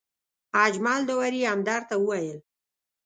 اجمل داوري همدرد ته وویل.